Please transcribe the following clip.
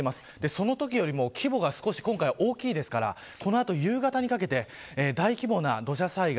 そのときよりも、規模が少し今回は大きいですからこの後、夕方にかけて大規模な土砂災害